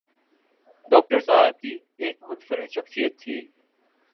Doctor صاحب کی ایک منفرد شخصیت تھی۔